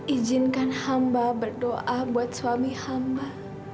ijinkan hamba berdoa buat suami hamba